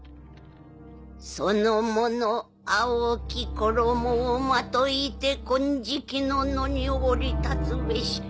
「その者青き衣をまといて金色の野に降り立つべし。